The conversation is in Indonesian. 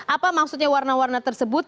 apa maksudnya warna warna tersebut